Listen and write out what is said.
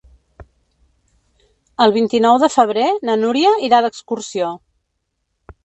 El vint-i-nou de febrer na Núria irà d'excursió.